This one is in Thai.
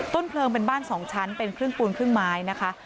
ต้นเพลิงเป็นบ้าน๒ชั้นเป็นครึ่งปูนครึ่งไม้นะคะ